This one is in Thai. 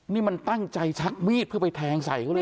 นี่มันตั้งใจชักมีดเพื่อไปแทงใส่เขาเลย